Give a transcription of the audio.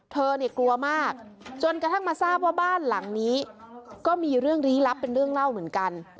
เธอเนี่ยกลัวมากจนกระทั่งมาทราบว่าบ้านหลังนี้ก็มีเรื่องลี้ลับเป็นเรื่องเล่าเหมือนกัน